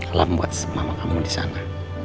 alam buat mama kamu di sana